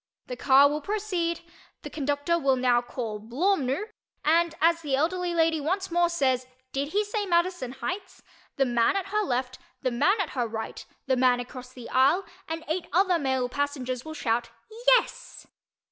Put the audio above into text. The car will proceed, the conductor will now call "Blawmnoo!" and as the elderly lady once more says "Did he say Madison Heights?" the man at her left, the man at her right, the man across the aisle and eight other male passengers will shout "YES!"